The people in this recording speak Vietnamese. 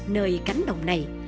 nơi cánh đồng này